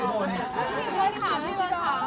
คุณพี่เบิร์ดค่ะ